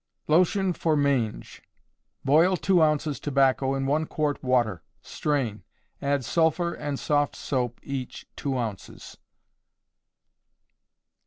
Lotion for Mange. Boil two ounces tobacco in one quart water: strain; add sulphur and soft soap, each, two ounces.